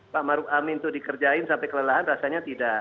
pak maruf amin itu dikerjain sampai kelelahan rasanya tidak